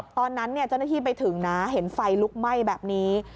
ตอนนั้นเจ้าหน้าที่ไปถึงนะเห็นไฟลุกไหม้แบบนี้